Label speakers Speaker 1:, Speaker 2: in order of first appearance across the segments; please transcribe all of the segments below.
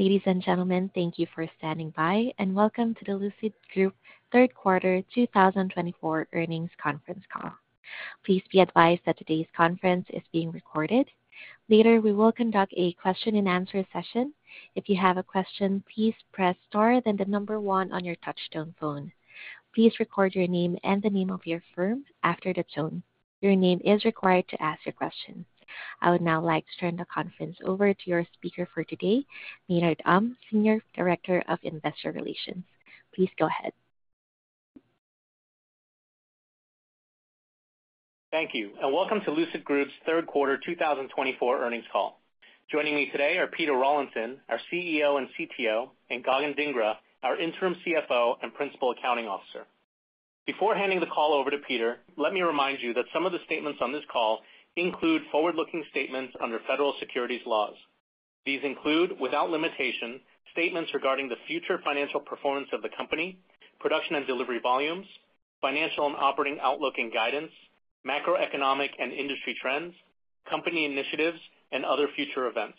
Speaker 1: Ladies and gentlemen, thank you for standing by, and welcome to the Lucid Group Third Quarter 2024 earnings conference call. Please be advised that today's conference is being recorded. Later, we will conduct a question-and-answer session. If you have a question, please press star then the number one on your touch-tone phone. Please record your name and the name of your firm after the tone. Your name is required to ask your question. I would now like to turn the conference over to your speaker for today, Maynard Um, Senior Director of Investor Relations. Please go ahead.
Speaker 2: Thank you, and welcome to Lucid Group's Third Quarter 2024 earnings call. Joining me today are Peter Rawlinson, our CEO and CTO, and Gagan Dhingra, our Interim CFO and Principal Accounting Officer. Before handing the call over to Peter, let me remind you that some of the statements on this call include forward-looking statements under federal securities laws. These include, without limitation, statements regarding the future financial performance of the company, production and delivery volumes, financial and operating outlook and guidance, macroeconomic and industry trends, company initiatives, and other future events.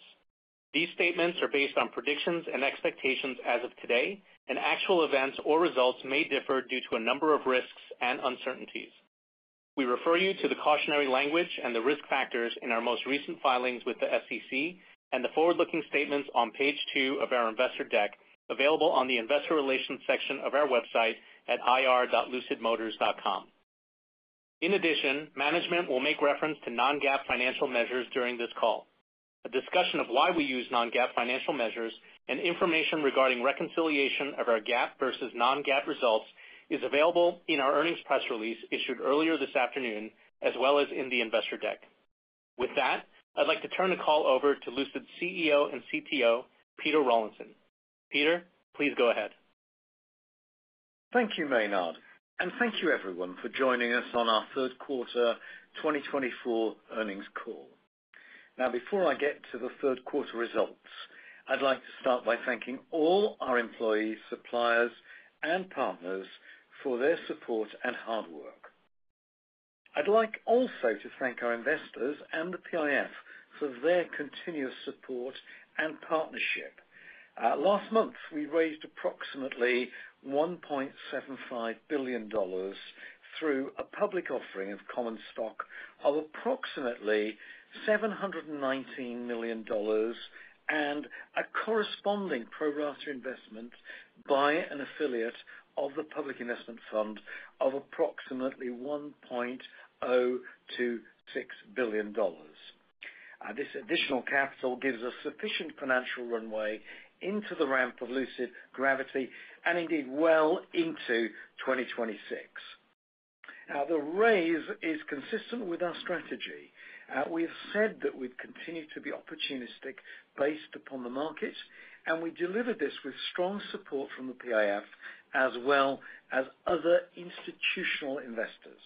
Speaker 2: These statements are based on predictions and expectations as of today, and actual events or results may differ due to a number of risks and uncertainties. We refer you to the cautionary language and the risk factors in our most recent filings with the SEC and the forward-looking statements on page two of our investor deck available on the investor relations section of our website at ir.lucidmotors.com. In addition, management will make reference to non-GAAP financial measures during this call. A discussion of why we use non-GAAP financial measures and information regarding reconciliation of our GAAP versus non-GAAP results is available in our earnings press release issued earlier this afternoon, as well as in the investor deck. With that, I'd like to turn the call over to Lucid's CEO and CTO, Peter Rawlinson. Peter, please go ahead.
Speaker 1: Thank you, Maynard, and thank you, everyone, for joining us on our Third Quarter 2024 earnings call. Now, before I get to the third quarter results, I'd like to start by thanking all our employees, suppliers, and partners for their support and hard work. I'd like also to thank our investors and the PIF for their continuous support and partnership. Last month, we raised approximately $1.75 billion through a public offering of common stock of approximately $719 million and a corresponding pro-rata investment by an affiliate of the Public Investment Fund of approximately $1.026 billion. This additional capital gives us sufficient financial runway into the ramp of Lucid Gravity and, indeed, well into 2026. Now, the raise is consistent with our strategy. We have said that we've continued to be opportunistic based upon the markets, and we delivered this with strong support from the PIF as well as other institutional investors.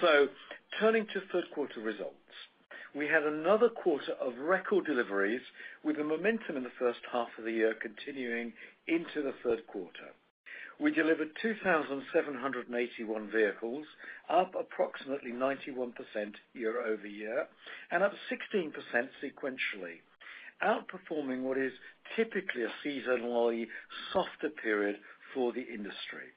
Speaker 1: So, turning to third quarter results, we had another quarter of record deliveries, with the momentum in the first half of the year continuing into the third quarter. We delivered 2,781 vehicles, up approximately 91% year over year and up 16% sequentially, outperforming what is typically a seasonally softer period for the industry.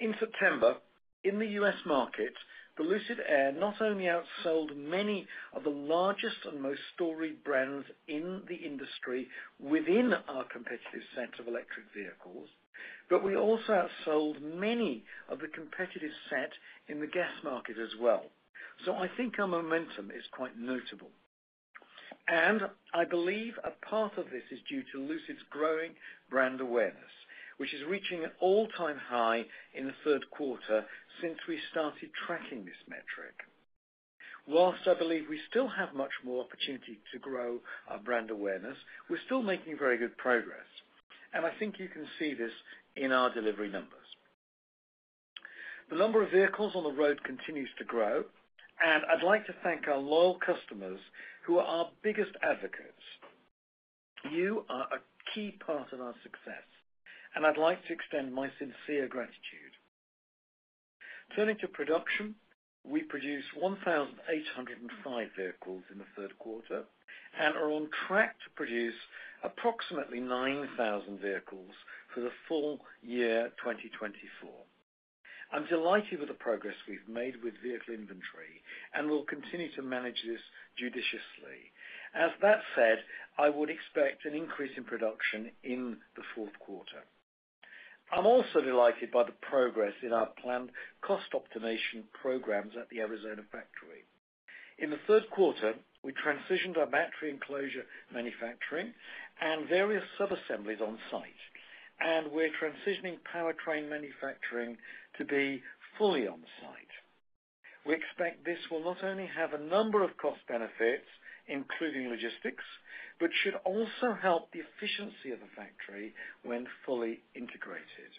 Speaker 1: In September, in the U.S. market, the Lucid Air not only outsold many of the largest and most storied brands in the industry within our competitive set of electric vehicles, but we also outsold many of the competitive set in the gas market as well. So, I think our momentum is quite notable. I believe a part of this is due to Lucid's growing brand awareness, which is reaching an all-time high in the third quarter since we started tracking this metric. While I believe we still have much more opportunity to grow our brand awareness, we're still making very good progress. I think you can see this in our delivery numbers. The number of vehicles on the road continues to grow, and I'd like to thank our loyal customers who are our biggest advocates. You are a key part of our success, and I'd like to extend my sincere gratitude. Turning to production, we produced 1,805 vehicles in the third quarter and are on track to produce approximately 9,000 vehicles for the full year 2024. I'm delighted with the progress we've made with vehicle inventory and will continue to manage this judiciously. That said, I would expect an increase in production in the fourth quarter. I'm also delighted by the progress in our planned cost optimization programs at the Arizona factory. In the third quarter, we transitioned our battery enclosure manufacturing and various subassemblies on site, and we're transitioning powertrain manufacturing to be fully on site. We expect this will not only have a number of cost benefits, including logistics, but should also help the efficiency of the factory when fully integrated.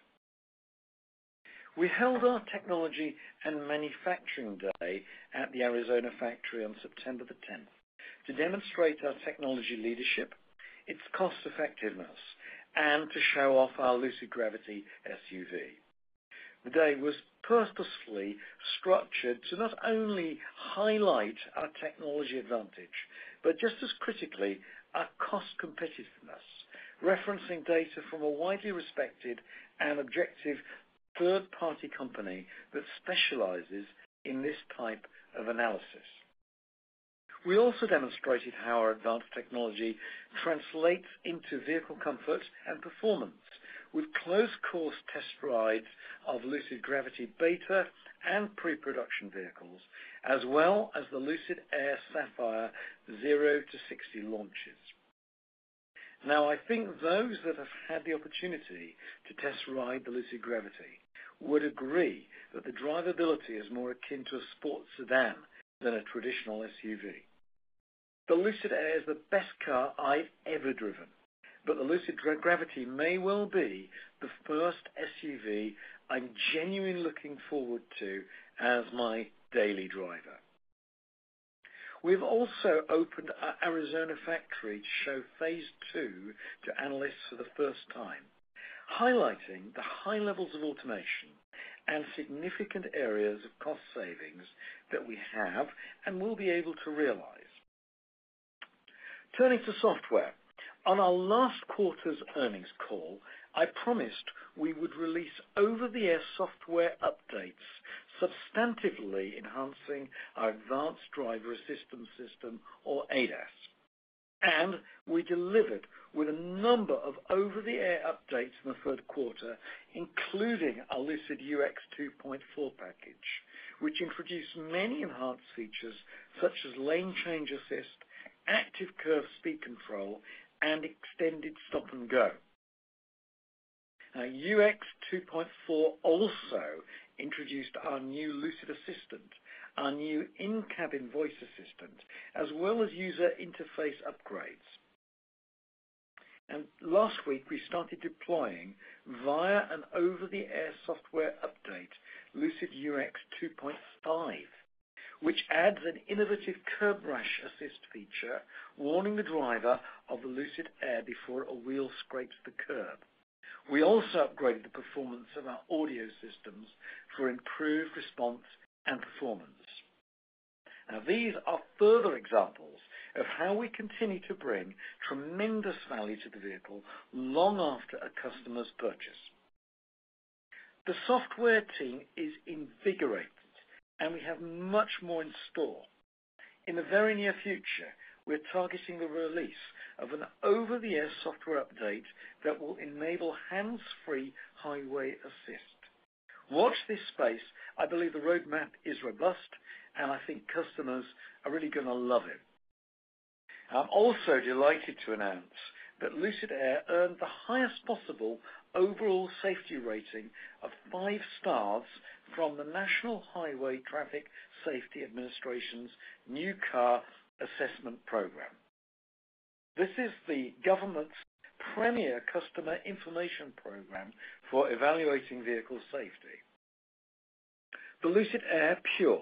Speaker 1: We held our technology and manufacturing day at the Arizona factory on September the 10th to demonstrate our technology leadership, its cost effectiveness, and to show off our Lucid Gravity SUV. The day was purposefully structured to not only highlight our technology advantage, but just as critically, our cost competitiveness, referencing data from a widely respected and objective third-party company that specializes in this type of analysis. We also demonstrated how our advanced technology translates into vehicle comfort and performance with closed-course test rides of Lucid Gravity Beta and pre-production vehicles, as well as the Lucid Air Sapphire 0-to-60 launches. Now, I think those that have had the opportunity to test ride the Lucid Gravity would agree that the drivability is more akin to a sports sedan than a traditional SUV. The Lucid Air is the best car I've ever driven, but the Lucid Gravity may well be the first SUV I'm genuinely looking forward to as my daily driver. We've also opened our Arizona factory to show Phase 2 to analysts for the first time, highlighting the high levels of automation and significant areas of cost savings that we have and will be able to realize. Turning to software, on our last quarter's earnings call, I promised we would release over-the-air software updates substantively enhancing our advanced driver assistance system, or ADAS, and we delivered with a number of over-the-air updates in the third quarter, including our Lucid UX 2.4 package, which introduced many enhanced features such as Lane Change Assist, Active Curve Speed Control, and Extended Stop and Go. Now, UX 2.4 also introduced our new Lucid Assistant, our new in-cabin voice assistant, as well as user interface upgrades, and last week, we started deploying, via an over-the-air software update, Lucid UX 2.5, which adds an innovative Curb Rash Assist feature, warning the driver of the Lucid Air before a wheel scrapes the curb. We also upgraded the performance of our audio systems for improved response and performance. Now, these are further examples of how we continue to bring tremendous value to the vehicle long after a customer's purchase. The software team is invigorated, and we have much more in store. In the very near future, we're targeting the release of an over-the-air software update that will enable Hands-Free Highway Assist. Watch this space. I believe the roadmap is robust, and I think customers are really going to love it. I'm also delighted to announce that Lucid Air earned the highest possible overall safety rating of five stars from the National Highway Traffic Safety Administration's New Car Assessment Program. This is the government's premier customer information program for evaluating vehicle safety. The Lucid Air Pure,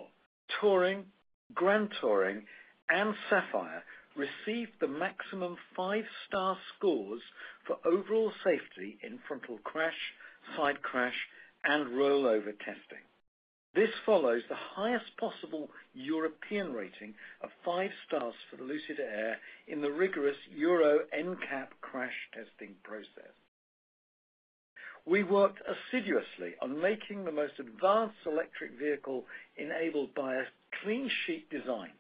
Speaker 1: Touring, Grand Touring, and Sapphire received the maximum five-star scores for overall safety in frontal crash, side crash, and rollover testing. This follows the highest possible European rating of five stars for the Lucid Air in the rigorous Euro NCAP crash testing process. We worked assiduously on making the most advanced electric vehicle enabled by a clean sheet design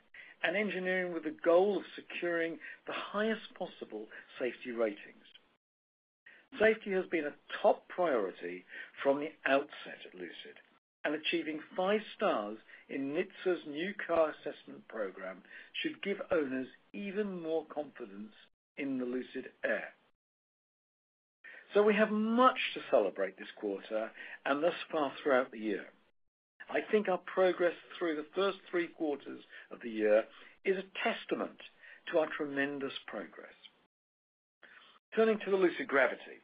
Speaker 1: and engineering with the goal of securing the highest possible safety ratings. Safety has been a top priority from the outset at Lucid, and achieving five stars in NHTSA's new car assessment program should give owners even more confidence in the Lucid Air. So, we have much to celebrate this quarter and thus far throughout the year. I think our progress through the first three quarters of the year is a testament to our tremendous progress. Turning to the Lucid Gravity,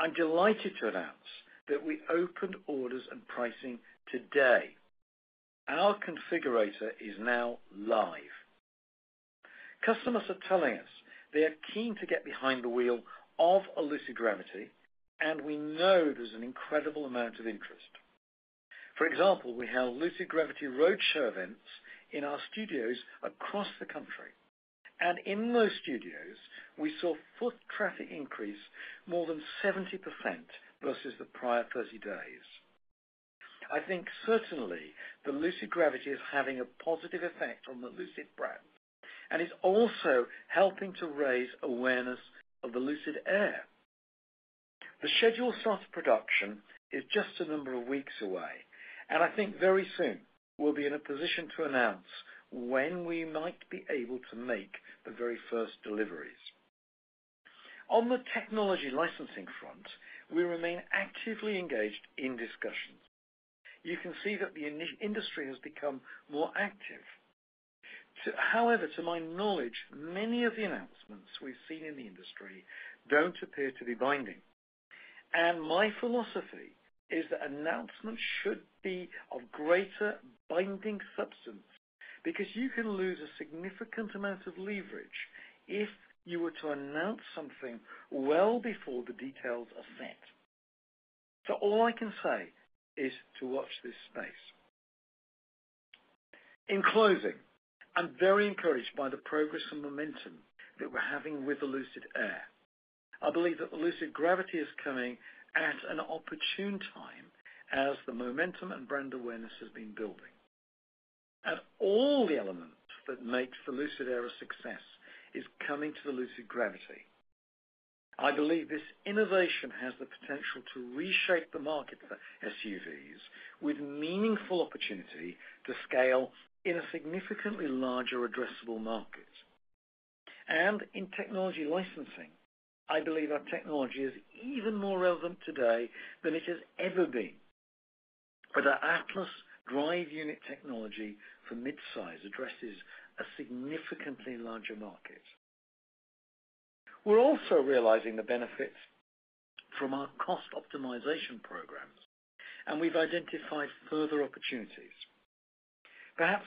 Speaker 1: I'm delighted to announce that we opened orders and pricing today. Our configurator is now live. Customers are telling us they are keen to get behind the wheel of a Lucid Gravity, and we know there's an incredible amount of interest. For example, we held Lucid Gravity roadshow events in our studios across the country, and in those studios, we saw foot traffic increase more than 70% versus the prior 30 days. I think certainly the Lucid Gravity is having a positive effect on the Lucid brand and is also helping to raise awareness of the Lucid Air. The scheduled start of production is just a number of weeks away, and I think very soon we'll be in a position to announce when we might be able to make the very first deliveries. On the technology licensing front, we remain actively engaged in discussions. You can see that the industry has become more active. However, to my knowledge, many of the announcements we've seen in the industry don't appear to be binding, and my philosophy is that announcements should be of greater binding substance because you can lose a significant amount of leverage if you were to announce something well before the details are set, so all I can say is to watch this space. In closing, I'm very encouraged by the progress and momentum that we're having with the Lucid Air. I believe that the Lucid Gravity is coming at an opportune time as the momentum and brand awareness has been building, and all the elements that make the Lucid Air a success are coming to the Lucid Gravity. I believe this innovation has the potential to reshape the market for SUVs with meaningful opportunity to scale in a significantly larger addressable market. And in technology licensing, I believe our technology is even more relevant today than it has ever been. But our Atlas drive unit technology for midsize addresses a significantly larger market. We're also realizing the benefits from our cost optimization programs, and we've identified further opportunities. Perhaps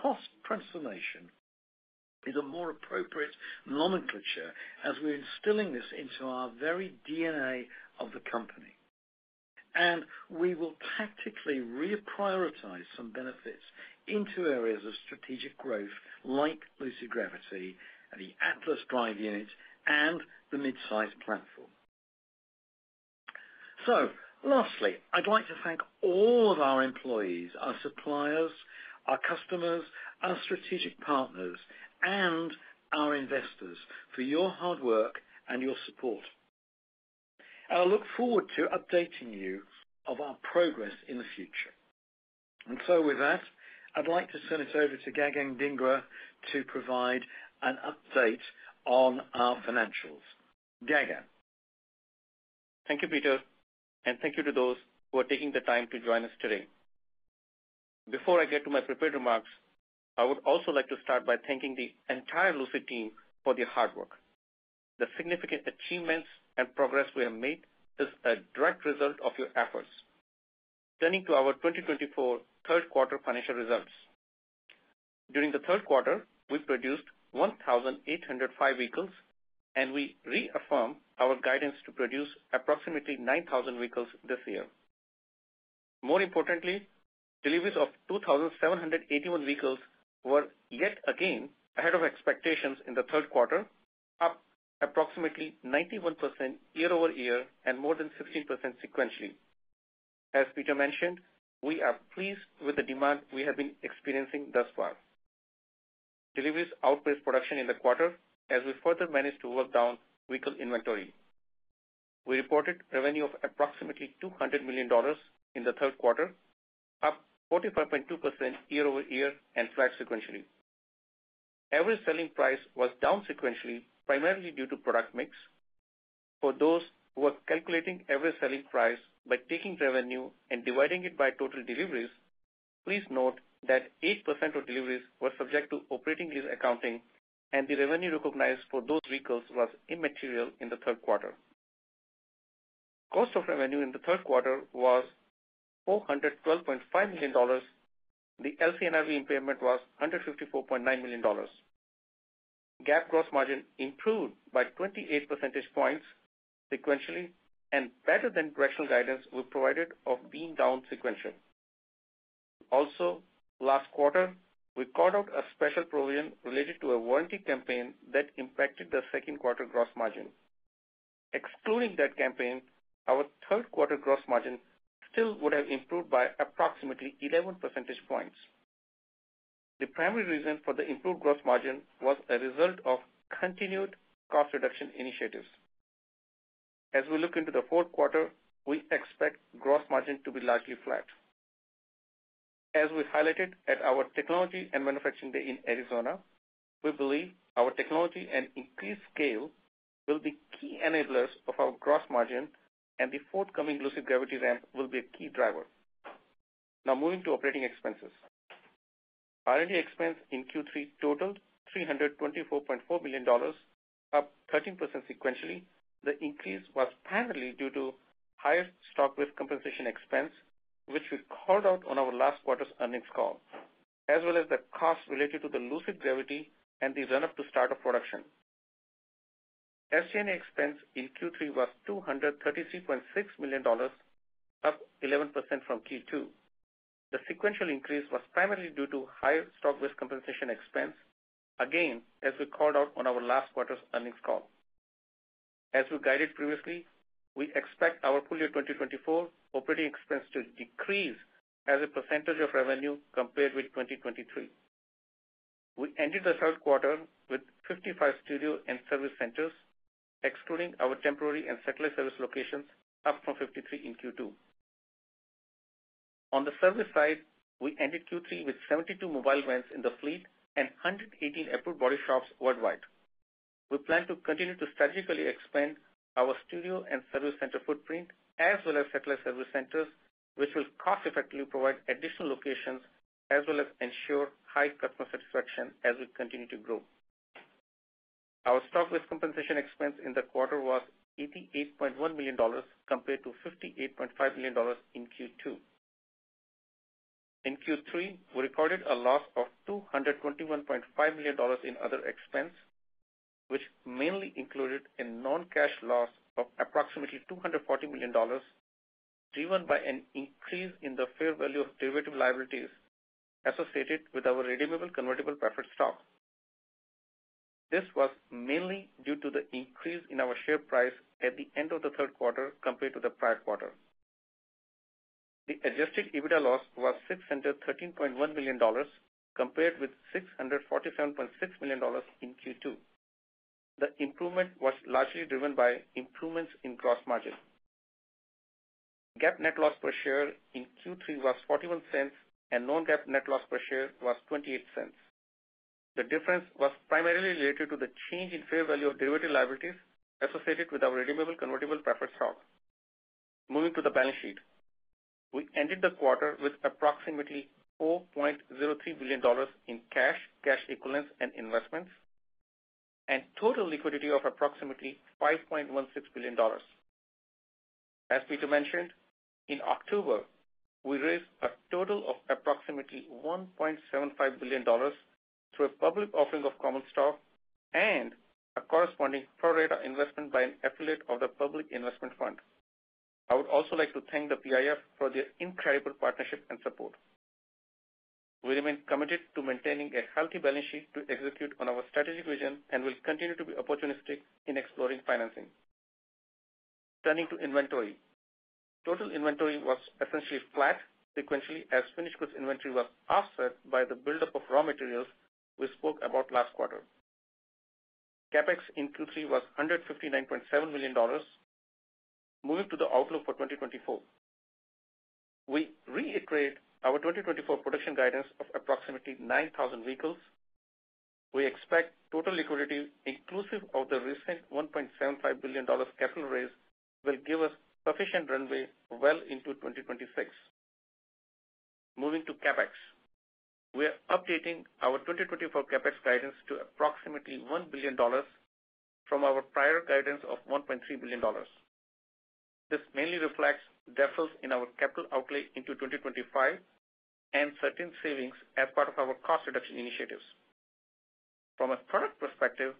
Speaker 1: cost transformation is a more appropriate nomenclature as we're instilling this into our very DNA of the company. And we will tactically reprioritize some benefits into areas of strategic growth like Lucid Gravity, the Atlas drive unit, and the midsize platform. So, lastly, I'd like to thank all of our employees, our suppliers, our customers, our strategic partners, and our investors for your hard work and your support. And I look forward to updating you of our progress in the future. And so, with that, I'd like to turn it over to Gagan Dhingra to provide an update on our financials. Gagan.
Speaker 3: Thank you, Peter, and thank you to those who are taking the time to join us today. Before I get to my prepared remarks, I would also like to start by thanking the entire Lucid team for their hard work. The significant achievements and progress we have made is a direct result of your efforts. Turning to our 2024 third quarter financial results, during the third quarter, we produced 1,805 vehicles, and we reaffirmed our guidance to produce approximately 9,000 vehicles this year. More importantly, deliveries of 2,781 vehicles were yet again ahead of expectations in the third quarter, up approximately 91% year over year and more than 16% sequentially. As Peter mentioned, we are pleased with the demand we have been experiencing thus far. Deliveries outpaced production in the quarter as we further managed to work down vehicle inventory. We reported revenue of approximately $200 million in the third quarter, up 45.2% year over year and flat sequentially. Average selling price was down sequentially, primarily due to product mix. For those who are calculating average selling price by taking revenue and dividing it by total deliveries, please note that eight% of deliveries were subject to operating lease accounting, and the revenue recognized for those vehicles was immaterial in the third quarter. Cost of revenue in the third quarter was $412.5 million. The LCNRV impairment was $154.9 million. GAAP gross margin improved by 28 percentage points sequentially and better than directional guidance we provided of being down sequentially. Also, last quarter, we called out a special provision related to a warranty campaign that impacted the second quarter gross margin. Excluding that campaign, our third quarter gross margin still would have improved by approximately 11 percentage points. The primary reason for the improved gross margin was a result of continued cost reduction initiatives. As we look into the fourth quarter, we expect gross margin to be largely flat. As we highlighted at our technology and manufacturing day in Arizona, we believe our technology and increased scale will be key enablers of our gross margin, and the forthcoming Lucid Gravity ramp will be a key driver. Now, moving to operating expenses. R&D expense in Q3 totaled $324.4 million, up 13% sequentially. The increase was primarily due to higher stock-based compensation expense, which we called out on our last quarter's earnings call, as well as the cost related to the Lucid Gravity and the run-up to start of production. SG&A expense in Q3 was $233.6 million, up 11% from Q2. The sequential increase was primarily due to higher stock-based compensation expense, again as we called out on our last quarter's earnings call. As we guided previously, we expect our full year 2024 operating expense to decrease as a percentage of revenue compared with 2023. We ended the third quarter with 55 studio and service centers, excluding our temporary and satellite service locations, up from 53 in Q2. On the service side, we ended Q3 with 72 mobile vans in the fleet and 118 approved body shops worldwide. We plan to continue to strategically expand our studio and service center footprint, as well as satellite service centers, which will cost-effectively provide additional locations, as well as ensure high customer satisfaction as we continue to grow. Our stock-based compensation expense in the quarter was $88.1 million compared to $58.5 million in Q2. In Q3, we recorded a loss of $221.5 million in other expense, which mainly included a non-cash loss of approximately $240 million, driven by an increase in the fair value of derivative liabilities associated with our redeemable convertible preferred stock. This was mainly due to the increase in our share price at the end of the third quarter compared to the prior quarter. The adjusted EBITDA loss was $613.1 million compared with $647.6 million in Q2. The improvement was largely driven by improvements in gross margin. GAAP net loss per share in Q3 was $0.41, and non-GAAP net loss per share was $0.28. The difference was primarily related to the change in fair value of derivative liabilities associated with our redeemable convertible preferred stock. Moving to the balance sheet, we ended the quarter with approximately $4.03 billion in cash, cash equivalents, and investments, and total liquidity of approximately $5.16 billion. As Peter mentioned, in October, we raised a total of approximately $1.75 billion through a public offering of common stock and a corresponding pro-rata investment by an affiliate of the Public Investment Fund. I would also like to thank the PIF for their incredible partnership and support. We remain committed to maintaining a healthy balance sheet to execute on our strategic vision and will continue to be opportunistic in exploring financing. Turning to inventory, total inventory was essentially flat sequentially as finished goods inventory was offset by the buildup of raw materials we spoke about last quarter. CapEx in Q3 was $159.7 million. Moving to the outlook for 2024, we reiterate our 2024 production guidance of approximately 9,000 vehicles. We expect total liquidity, inclusive of the recent $1.75 billion capital raise, will give us sufficient runway well into 2026. Moving to CapEx, we are updating our 2024 CapEx guidance to approximately $1 billion from our prior guidance of $1.3 billion. This mainly reflects deficits in our capital outlay into 2025 and certain savings as part of our cost reduction initiatives. From a product perspective,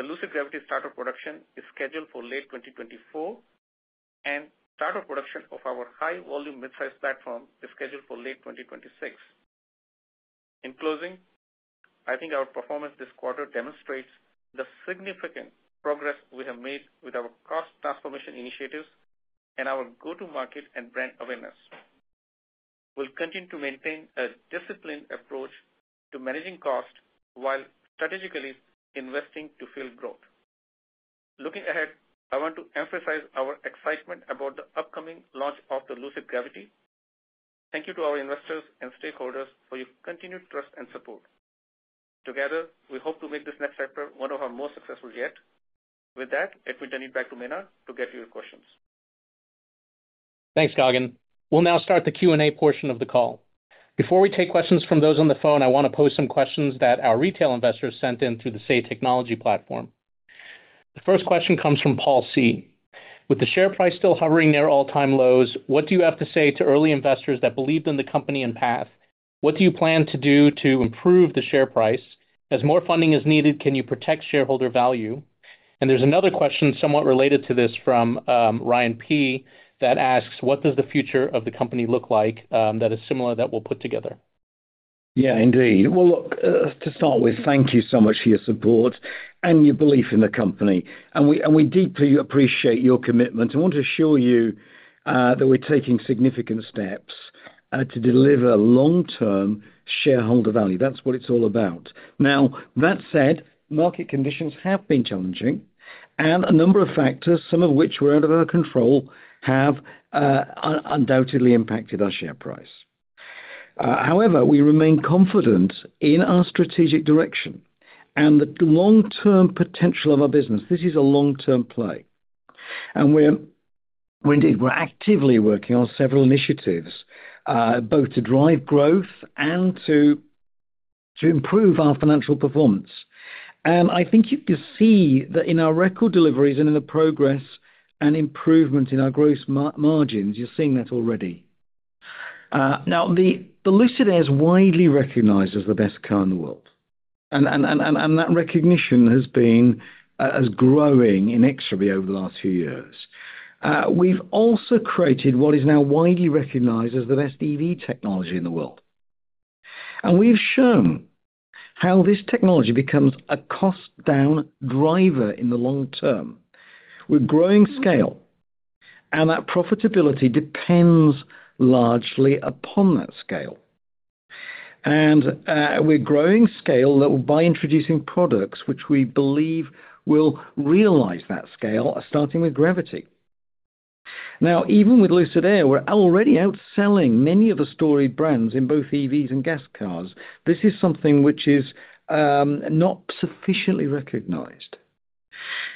Speaker 3: the Lucid Gravity start of production is scheduled for late 2024, and start of production of our high-volume midsize platform is scheduled for late 2026. In closing, I think our performance this quarter demonstrates the significant progress we have made with our cost transformation initiatives and our go-to-market and brand awareness. We'll continue to maintain a disciplined approach to managing cost while strategically investing to fill growth. Looking ahead, I want to emphasize our excitement about the upcoming launch of the Lucid Gravity. Thank you to our investors and stakeholders for your continued trust and support. Together, we hope to make this next chapter one of our most successful yet. With that, let me turn it back to Maynard to get your questions.
Speaker 2: Thanks, Gagan. We'll now start the Q&A portion of the call. Before we take questions from those on the phone, I want to post some questions that our retail investors sent in through the Say Technologies platform. The first question comes from Paul C. With the share price still hovering near all-time lows, what do you have to say to early investors that believed in the company and path? What do you plan to do to improve the share price? As more funding is needed, can you protect shareholder value? And there's another question somewhat related to this from Ryan P that asks, what does the future of the company look like that is similar that we'll put together?
Speaker 1: Yeah, indeed, well, look, to start with, thank you so much for your support and your belief in the company, and we deeply appreciate your commitment. I want to assure you that we're taking significant steps to deliver long-term shareholder value. That's what it's all about. Now, that said, market conditions have been challenging, and a number of factors, some of which were out of our control, have undoubtedly impacted our share price. However, we remain confident in our strategic direction and the long-term potential of our business. This is a long-term play, and indeed, we're actively working on several initiatives, both to drive growth and to improve our financial performance, and I think you can see that in our record deliveries and in the progress and improvement in our gross margins, you're seeing that already. Now, the Lucid Air is widely recognized as the best car in the world. That recognition has been growing in EMEA over the last few years. We've also created what is now widely recognized as the best EV technology in the world. We've shown how this technology becomes a cost-down driver in the long term. We're growing scale, and that profitability depends largely upon that scale. We're growing scale by introducing products which we believe will realize that scale, starting with Gravity. Now, even with Lucid Air, we're already outselling many of the storied brands in both EVs and gas cars. This is something which is not sufficiently recognized.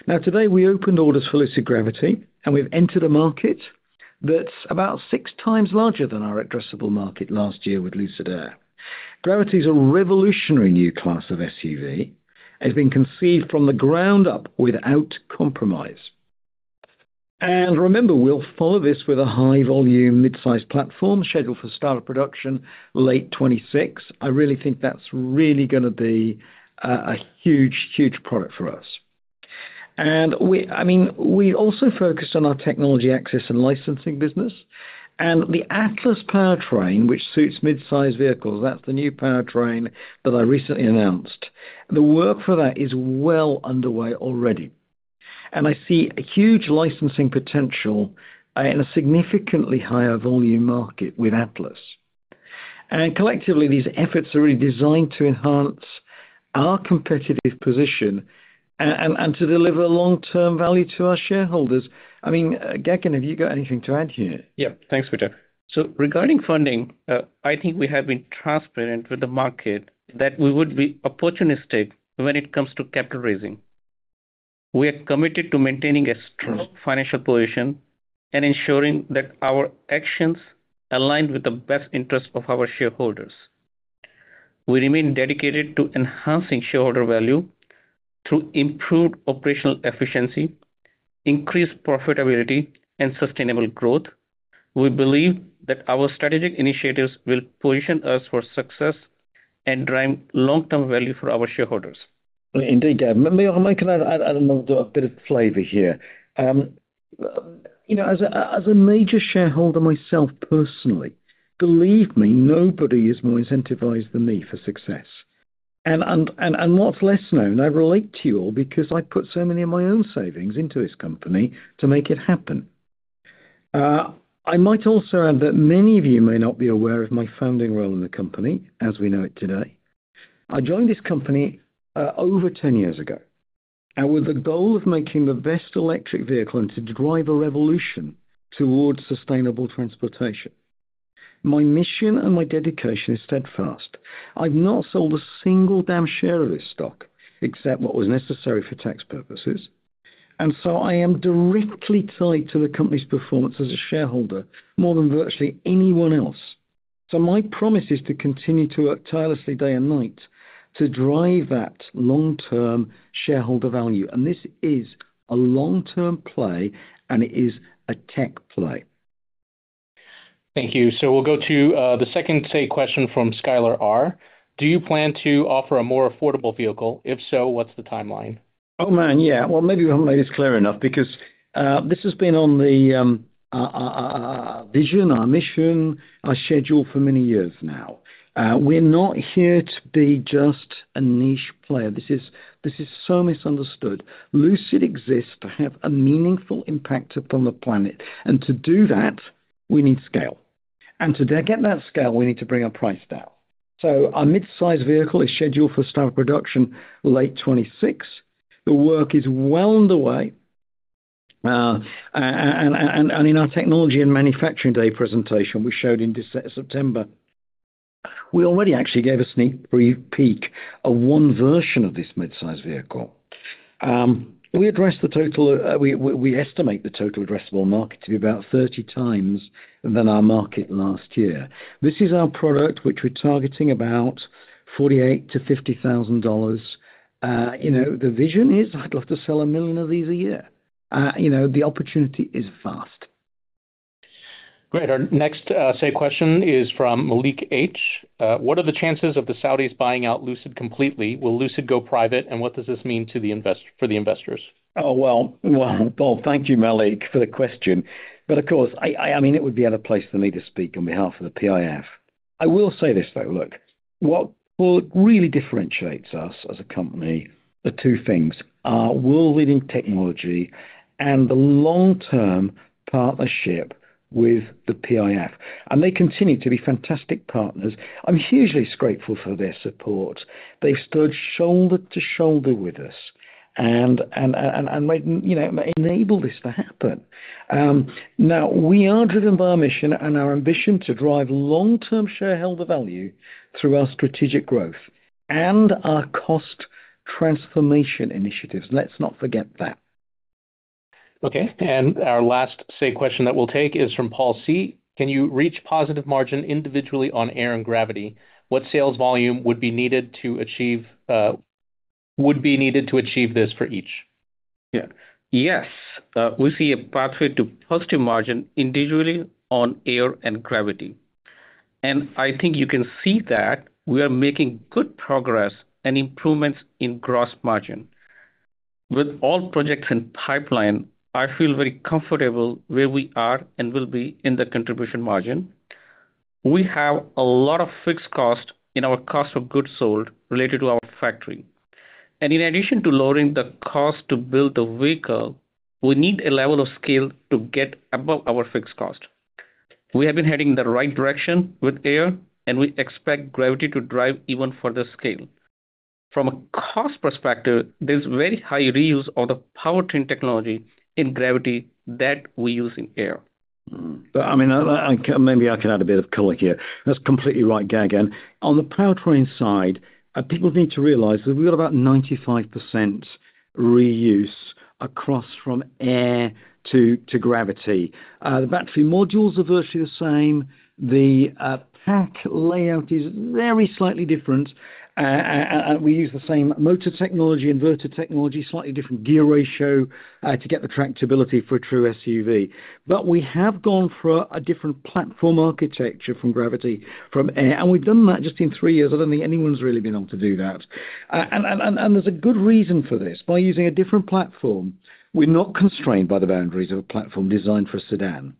Speaker 1: Now, today, we opened orders for Lucid Gravity, and we've entered a market that's about six times larger than our addressable market last year with Lucid Air. Gravity is a revolutionary new class of SUV. It's been conceived from the ground up without compromise. And remember, we'll follow this with a high-volume midsize platform scheduled for start of production late 2026. I really think that's really going to be a huge, huge product for us. And I mean, we also focus on our technology access and licensing business. And the Atlas powertrain, which suits midsize vehicles, that's the new powertrain that I recently announced. The work for that is well underway already. And I see a huge licensing potential in a significantly higher volume market with Atlas. And collectively, these efforts are really designed to enhance our competitive position and to deliver long-term value to our shareholders. I mean, Gagan, have you got anything to add here?
Speaker 3: Yeah, thanks, Peter. So regarding funding, I think we have been transparent with the market that we would be opportunistic when it comes to capital raising. We are committed to maintaining a strong financial position and ensuring that our actions align with the best interests of our shareholders. We remain dedicated to enhancing shareholder value through improved operational efficiency, increased profitability, and sustainable growth. We believe that our strategic initiatives will position us for success and drive long-term value for our shareholders.
Speaker 1: Indeed. Maynard, can I add a bit of flavor here? As a major shareholder myself personally, believe me, nobody is more incentivized than me for success. And what's less known, I relate to you all because I put so many of my own savings into this company to make it happen. I might also add that many of you may not be aware of my founding role in the company as we know it today. I joined this company over 10 years ago with the goal of making the best electric vehicle and to drive a revolution towards sustainable transportation. My mission and my dedication is steadfast. I've not sold a single damn share of this stock except what was necessary for tax purposes. And so I am directly tied to the company's performance as a shareholder more than virtually anyone else. My promise is to continue to work tirelessly day and night to drive that long-term shareholder value. This is a long-term play, and it is a tech play.
Speaker 2: Thank you. So we'll go to the second question from Skylar R. Do you plan to offer a more affordable vehicle? If so, what's the timeline?
Speaker 1: Oh, man, yeah. Well, maybe we haven't made this clear enough because this has been on the vision, our mission, our schedule for many years now. We're not here to be just a niche player. This is so misunderstood. Lucid exists to have a meaningful impact upon the planet. And to do that, we need scale. And to get that scale, we need to bring our price down. So our midsize vehicle is scheduled for start of production late 2026. The work is well underway. And in our technology and manufacturing day presentation we showed in September, we already actually gave a sneak peek of one version of this midsize vehicle. We estimate the total addressable market to be about 30 times than our market last year. This is our product, which we're targeting about $48,000-$50,000. The vision is I'd love to sell a million of these a year. The opportunity is vast.
Speaker 2: Great. Our next question is from Malik H. What are the chances of the Saudis buying out Lucid completely? Will Lucid go private, and what does this mean for the investors?
Speaker 1: Oh, well, Paul, thank you, Malik, for the question. But of course, I mean, it would be out of place for me to speak on behalf of the PIF. I will say this, though. Look, what really differentiates us as a company are two things: world-leading technology and the long-term partnership with the PIF. And they continue to be fantastic partners. I'm hugely grateful for their support. They've stood shoulder to shoulder with us and enabled this to happen. Now, we are driven by our mission and our ambition to drive long-term shareholder value through our strategic growth and our cost transformation initiatives. Let's not forget that.
Speaker 2: Okay. And our last question that we'll take is from Paul C. Can you reach positive margin individually on Air and Gravity? What sales volume would be needed to achieve this for each?
Speaker 3: Yeah. Yes, we see a pathway to positive margin individually on Air and Gravity. And I think you can see that we are making good progress and improvements in gross margin. With all projects in pipeline, I feel very comfortable where we are and will be in the contribution margin. We have a lot of fixed cost in our cost of goods sold related to our factory. And in addition to lowering the cost to build a vehicle, we need a level of scale to get above our fixed cost. We have been heading in the right direction with Air, and we expect Gravity to drive even further scale. From a cost perspective, there's very high reuse of the powertrain technology in Gravity that we use in Air.
Speaker 1: I mean, maybe I can add a bit of color here. That's completely right, Gagan. On the powertrain side, people need to realize that we've got about 95% reuse across from Air to Gravity. The battery modules are virtually the same. The pack layout is very slightly different. We use the same motor technology, inverter technology, slightly different gear ratio to get the tractability for a true SUV. But we have gone for a different platform architecture from Gravity from Air. And we've done that just in three years. I don't think anyone's really been able to do that. And there's a good reason for this. By using a different platform, we're not constrained by the boundaries of a platform designed for a sedan.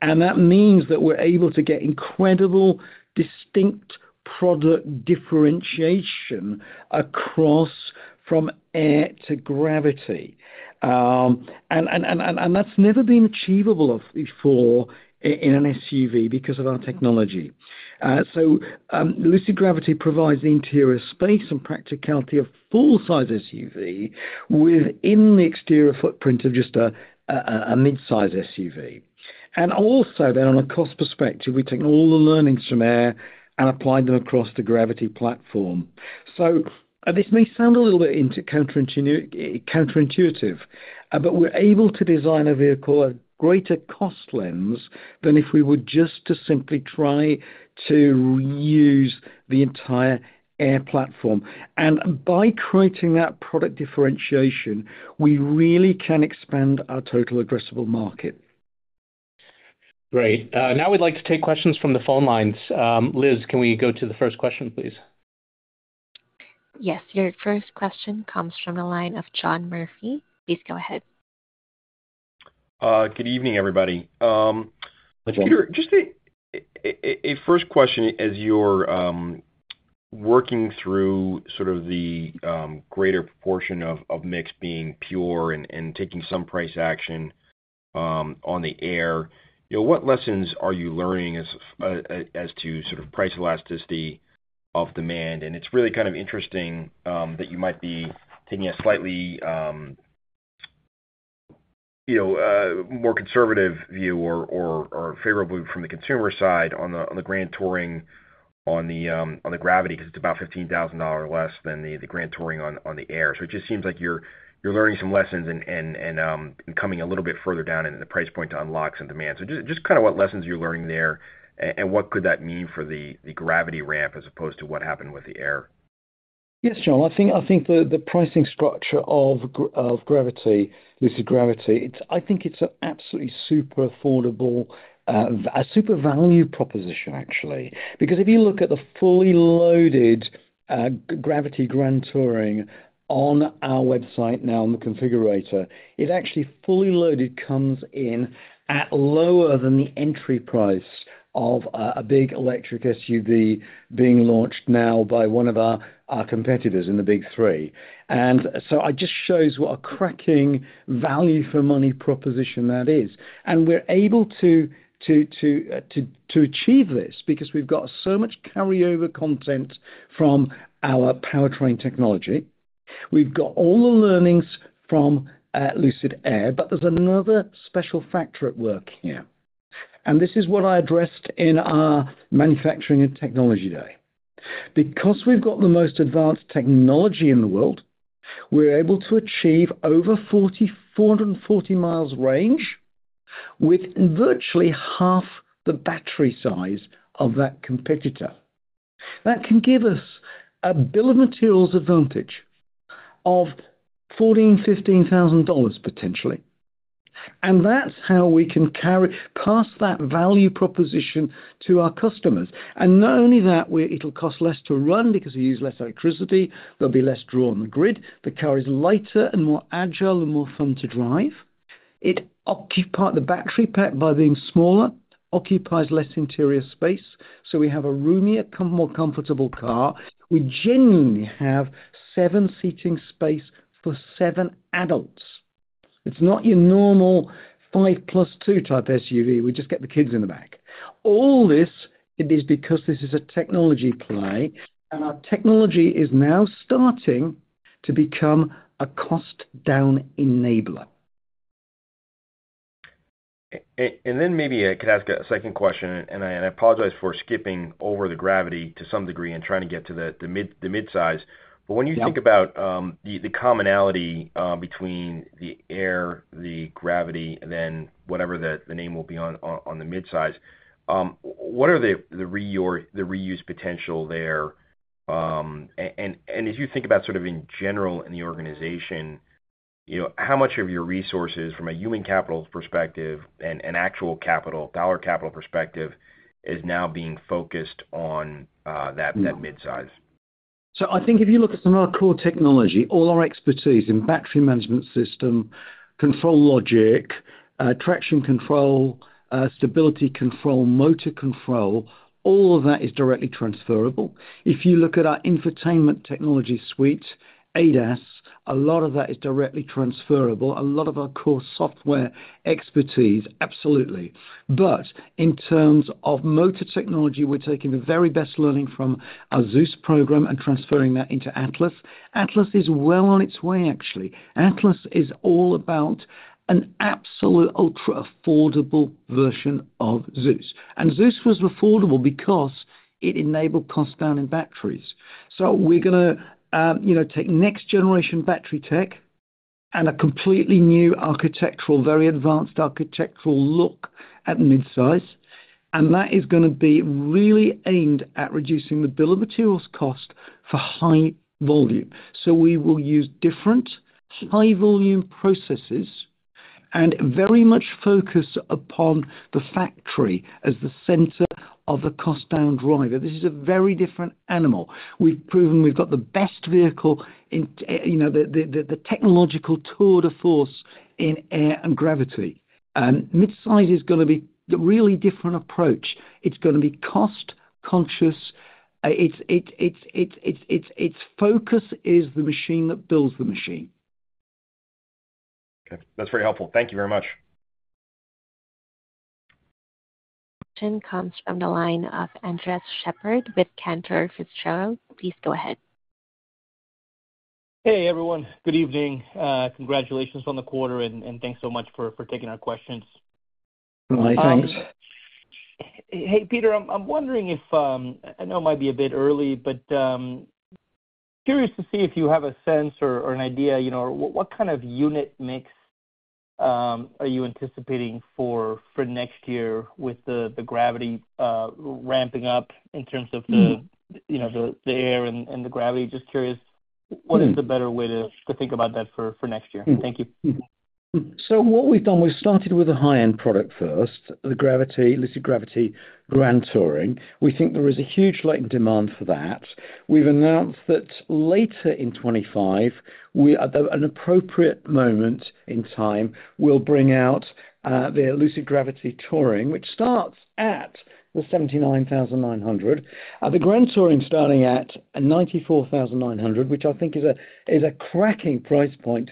Speaker 1: And that means that we're able to get incredible distinct product differentiation across from Air to Gravity. And that's never been achievable before in an SUV because of our technology. So Lucid Gravity provides the interior space and practicality of full-size SUV within the exterior footprint of just a midsize SUV. And also, then, on a cost perspective, we take all the learnings from Air and apply them across the Gravity platform. So this may sound a little bit counterintuitive, but we're able to design a vehicle a greater cost lens than if we were just to simply try to reuse the entire Air platform. And by creating that product differentiation, we really can expand our total addressable market.
Speaker 2: Great. Now we'd like to take questions from the phone lines. Liz, can we go to the first question, please?
Speaker 4: Yes. Your first question comes from the line of John Murphy. Please go ahead.
Speaker 5: Good evening, everybody.
Speaker 4: Good evening.
Speaker 5: Peter, just a first question. As you're working through sort of the greater portion of mix being Pure and taking some price action on the Air, what lessons are you learning as to sort of price elasticity of demand? And it's really kind of interesting that you might be taking a slightly more conservative view or favorably from the consumer side on the Grand Touring on the Gravity because it's about $15,000 less than the Grand Touring on the Air. So it just seems like you're learning some lessons and coming a little bit further down into the price point to unlock some demand. So just kind of what lessons are you learning there and what could that mean for the Gravity ramp as opposed to what happened with the Air?
Speaker 1: Yes, John. I think the pricing structure of Lucid Gravity, I think it's an absolutely super affordable, a super value proposition, actually. Because if you look at the fully loaded Gravity Grand Touring on our website now in the configurator, it actually fully loaded comes in at lower than the entry price of a big electric SUV being launched now by one of our competitors in the big three. And so it just shows what a cracking value-for-money proposition that is. And we're able to achieve this because we've got so much carryover content from our powertrain technology. We've got all the learnings from Lucid Air, but there's another special factor at work here. And this is what I addressed in our Manufacturing and Technology Day. Because we've got the most advanced technology in the world, we're able to achieve over 440 miles range with virtually half the battery size of that competitor. That can give us a bill of materials advantage of $14,000-$15,000 potentially. And that's how we can pass that value proposition to our customers. And not only that, it'll cost less to run because we use less electricity. There'll be less draw on the grid. The car is lighter and more agile and more fun to drive. It occupies the battery pack by being smaller, occupies less interior space. So we have a roomier, more comfortable car. We genuinely have seven-seating space for seven adults. It's not your normal five-plus-two type SUV. We just get the kids in the back. All this is because this is a technology play. And our technology is now starting to become a cost-down enabler.
Speaker 5: And then maybe I could ask a second question. And I apologize for skipping over the Gravity to some degree and trying to get to the Midsize. But when you think about the commonality between the Air, the Gravity, then whatever the name will be on the Midsize, what are the reuse potential there? And as you think about sort of in general in the organization, how much of your resources from a human capital perspective and actual dollar capital perspective is now being focused on that Midsize?
Speaker 1: So I think if you look at some of our core technology, all our expertise in battery management system, control logic, traction control, stability control, motor control, all of that is directly transferable. If you look at our infotainment technology suite, ADAS, a lot of that is directly transferable. A lot of our core software expertise, absolutely. But in terms of motor technology, we're taking the very best learning from our Zeus program and transferring that into Atlas. Atlas is well on its way, actually. Atlas is all about an absolute ultra-affordable version of Zeus. And Zeus was affordable because it enabled cost-down in batteries. So we're going to take next-generation battery tech and a completely new architectural, very advanced architectural look at midsize. And that is going to be really aimed at reducing the bill of materials cost for high volume. We will use different high-volume processes and very much focus upon the factory as the center of the cost-down driver. This is a very different animal. We've proven we've got the best vehicle, the technological tour de force in Air and Gravity. Midsize is going to be a really different approach. It's going to be cost-conscious. Its focus is the machine that builds the machine.
Speaker 5: Okay. That's very helpful. Thank you very much.
Speaker 4: Question comes from the line of Andres Sheppard with Cantor Fitzgerald, please go ahead.
Speaker 6: Hey, everyone. Good evening. Congratulations on the quarter, and thanks so much for taking our questions.
Speaker 1: Hi. Thanks.
Speaker 6: Hey, Peter, I'm wondering, you know, it might be a bit early, but curious to see if you have a sense or an idea what kind of unit mix are you anticipating for next year with the Gravity ramping up in terms of the Air and the Gravity? Just curious what is the better way to think about that for next year. Thank you.
Speaker 1: So what we've done, we've started with a high-end product first, the Lucid Gravity Grand Touring. We think there is a huge latent demand for that. We've announced that later in 2025, at an appropriate moment in time, we'll bring out the Lucid Gravity Touring, which starts at $79,900. The Grand Touring starting at $94,900, which I think is a cracking price point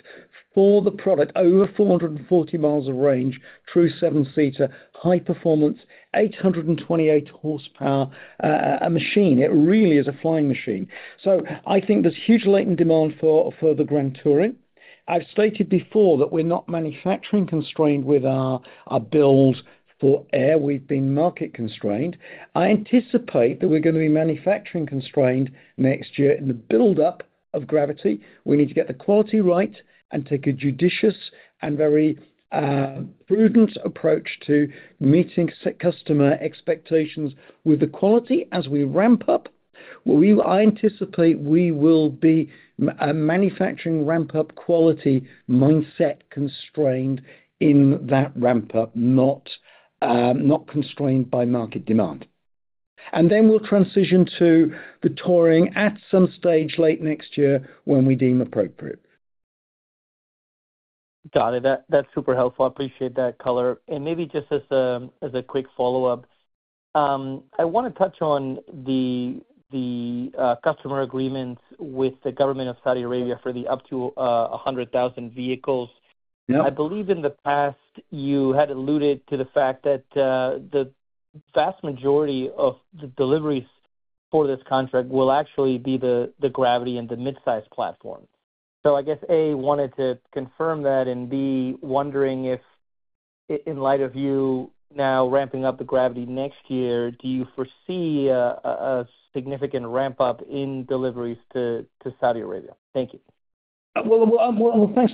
Speaker 1: for the product, over 440 miles of range, true seven-seater, high performance, 828 horsepower, a machine. It really is a flying machine. So I think there's huge latent demand for the Grand Touring. I've stated before that we're not manufacturing constrained with our build of Air. We've been market constrained. I anticipate that we're going to be manufacturing constrained next year in the build-up of Gravity. We need to get the quality right and take a judicious and very prudent approach to meeting customer expectations with the quality as we ramp up. I anticipate we will be manufacturing ramp-up quality mindset constrained in that ramp-up, not constrained by market demand, and then we'll transition to the touring at some stage late next year when we deem appropriate.
Speaker 6: Got it. That's super helpful. I appreciate that color. And maybe just as a quick follow-up, I want to touch on the customer agreements with the government of Saudi Arabia for the up to 100,000 vehicles. I believe in the past, you had alluded to the fact that the vast majority of the deliveries for this contract will actually be the Gravity and the midsize platform. So I guess, A, wanted to confirm that, and B, wondering if in light of you now ramping up the Gravity next year, do you foresee a significant ramp-up in deliveries to Saudi Arabia? Thank you.
Speaker 1: Thanks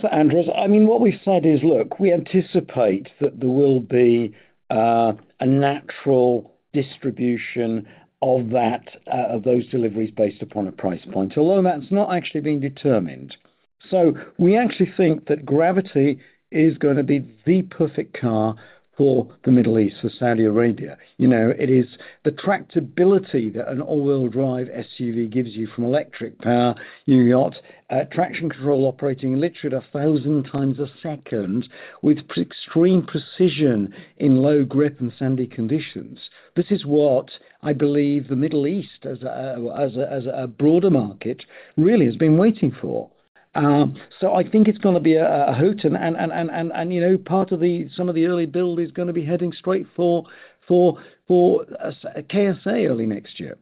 Speaker 1: for that, Andres. I mean, what we've said is, look, we anticipate that there will be a natural distribution of those deliveries based upon a price point. Although that's not actually being determined. So we actually think that Gravity is going to be the perfect car for the Middle East, for Saudi Arabia. It is the tractability that an all-wheel-drive SUV gives you from electric power. You've got traction control operating literally at 1,000 times a second with extreme precision in low grip and sandy conditions. This is what I believe the Middle East, as a broader market, really has been waiting for. So I think it's going to be a hoot. And part of some of the early build is going to be heading straight for KSA early next year.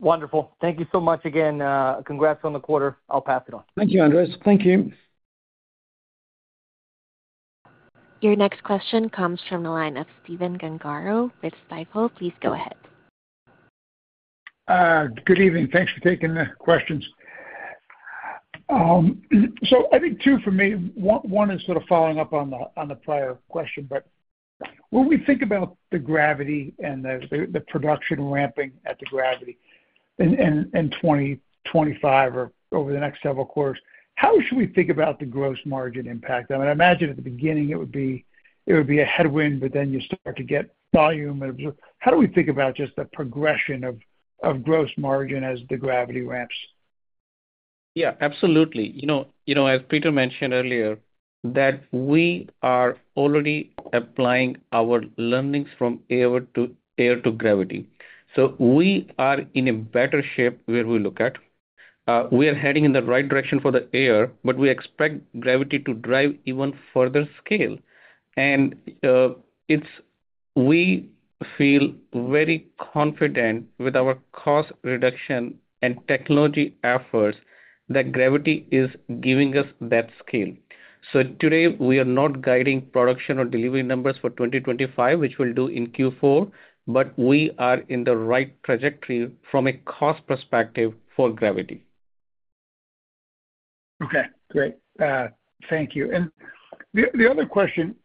Speaker 6: Wonderful. Thank you so much again. Congrats on the quarter. I'll pass it on.
Speaker 1: Thank you, Andres. Thank you.
Speaker 4: Your next question comes from the line of Stephen Gengaro with Stifel. Please go ahead.
Speaker 7: Good evening. Thanks for taking the questions. So I think two for me. One is sort of following up on the prior question. But when we think about the Gravity and the production ramping at the Gravity in 2025 or over the next several quarters, how should we think about the gross margin impact? I mean, I imagine at the beginning, it would be a headwind, but then you start to get volume. How do we think about just the progression of gross margin as the Gravity ramps?
Speaker 3: Yeah, absolutely. As Peter mentioned earlier, that we are already applying our learnings from air to gravity. So we are in a better shape where we look at. We are heading in the right direction for the air, but we expect gravity to drive even further scale. And we feel very confident with our cost reduction and technology efforts that gravity is giving us that scale. So today, we are not guiding production or delivery numbers for 2025, which we'll do in Q4, but we are in the right trajectory from a cost perspective for gravity.
Speaker 7: Okay. Great. Thank you. And the other question,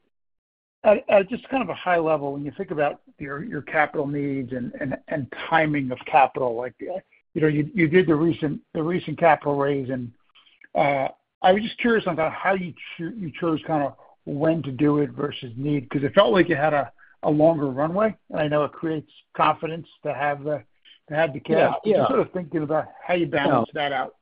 Speaker 7: just kind of a high level, when you think about your capital needs and timing of capital, you did the recent capital raise. And I was just curious on how you chose kind of when to do it versus need because it felt like you had a longer runway. And I know it creates confidence to have the capital. Just sort of thinking about how you balance that out.